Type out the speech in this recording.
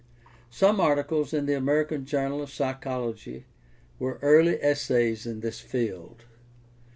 Some articles in the American Journal of Psychology were early essays in this field.